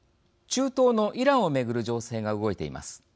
中東のイランを巡る情勢が動いています。